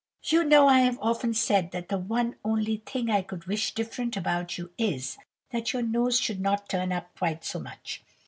You know, I have often said that the one only thing I could wish different about you is, that your nose should not turn up quite so much.